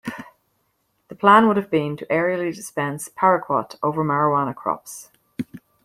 The plan would have been to aerially dispense paraquat over marijuana crops.